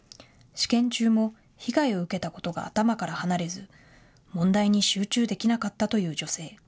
試験中も被害を受けたことが頭から離れず問題に集中できなかったという女性。